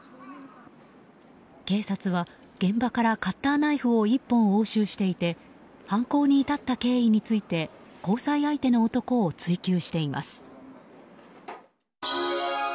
警察は現場からカッターナイフを１本押収していて犯行に至った経緯について交際相手の男を追及しています。